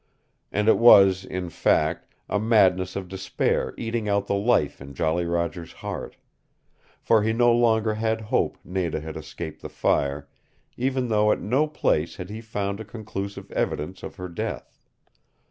And it was, in fact, a madness of despair eating out the life in Jolly Roger's heart. For he no longer had hope Nada had escaped the fire, even though at no place had he found a conclusive evidence of her death.